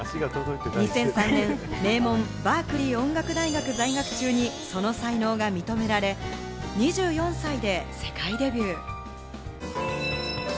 ２００３年名門・バークリー音楽大学在学中にその才能が認められ、２４歳で世界デビュー。